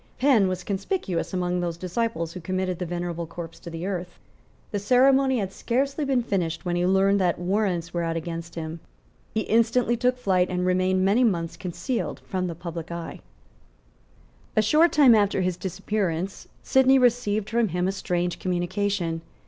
Penn was conspicuous among those disciples who committed the venerable corpse to the earth. The ceremony had scarcely been finished when he learned that warrants were out against him. He instantly took flight, and remained many months concealed from the public eye. A short time after his disappearance, Sidney received from him a strange communication.